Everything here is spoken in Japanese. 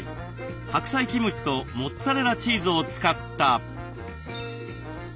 白菜キムチとモッツァレラチーズを使った豆腐チヂミ。